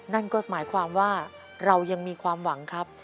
นั่นก็หมายความว่าเรายังมีความหวังครับ